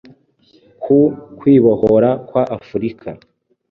ku kwibohora kwa Afurika.